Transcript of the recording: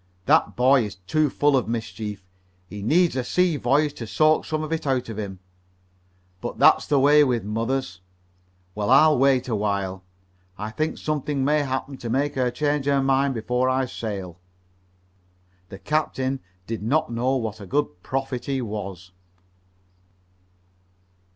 "That boy is too full of mischief. He needs a sea voyage to soak some of it out of him. But that's the way with mothers. Well, I'll wait a while. I think something may happen to make her change her mind before I sail." The captain did not know what a good prophet he was.